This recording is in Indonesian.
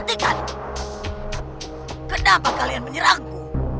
kenapa kalian menyerahku